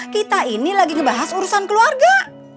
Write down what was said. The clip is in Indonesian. kita ini lagi ngebahas urusan keluarga